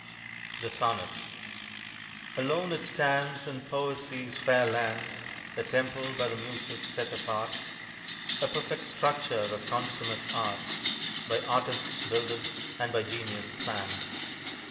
THE SONNET. Alone it stands in Poesy's fair land, A temple by the muses set apart; A perfect structure of consummate art, By artists builded and by genius planned.